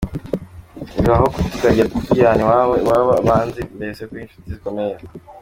Bibaho tukajya tujyana iwabo , iwabo banzi mbese turi inshuti zikomeye.